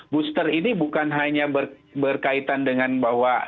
booster ini bukan hanya berkaitan dengan bahwa